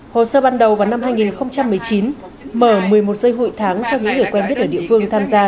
hồ sơ ban đầu vào năm hai nghìn một mươi chín mở một mươi một giây hội tháng cho những người quen biết ở địa phương tham gia